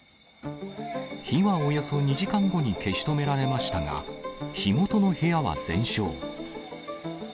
火はおよそ２時間後に消し止められましたが、火元の部屋は全焼。